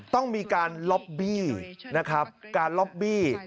ต้องมีการล็อบบี้นะครับการล็อบบี้